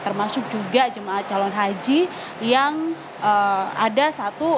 termasuk juga jemaah calon haji yang ada satu